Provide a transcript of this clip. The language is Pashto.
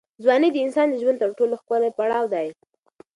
ځواني د انسان د ژوند تر ټولو ښکلی پړاو دی.